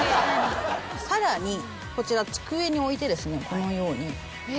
さらにこちら机に置いてこのように。